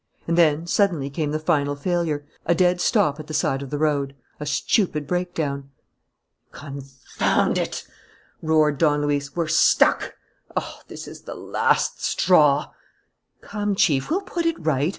And then suddenly came the final failure, a dead stop at the side of the road, a stupid breakdown. "Confound it!" roared Don Luis. "We're stuck! Oh, this is the last straw!" "Come, Chief, we'll put it right.